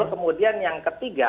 kalau seandainya ada yang terpengaruh